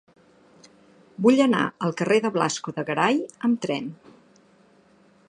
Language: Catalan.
Vull anar al carrer de Blasco de Garay amb tren.